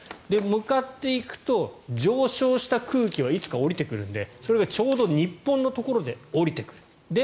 向かっていくと、上昇した空気はいつか下りてくるのでそれがちょうど日本のところで下りてくる。